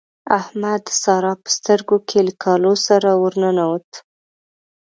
احمد د سارا په سترګو کې له کالو سره ور ننوت.